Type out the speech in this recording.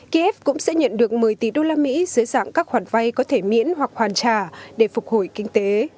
kiev cũng sẽ nhận được một mươi tỷ đô la mỹ dưới dạng các khoản vay có thể miễn hoặc hoàn trả để phục hồi kinh tế